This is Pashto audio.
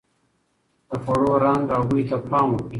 د خوړو رنګ او بوی ته پام وکړئ.